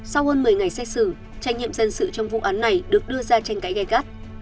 sau hơn một mươi ngày xét xử trách nhiệm dân sự trong vụ án này được đưa ra tranh cãi gai gắt